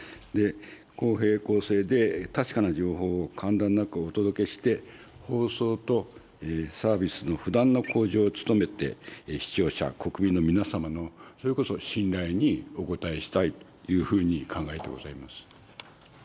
公平・公正で確かな情報を間断なくお届けして、放送とサービスの不断の向上を努めて、視聴者・国民の皆様の、それこそ信頼にお応えしたいというふうに考えてございます。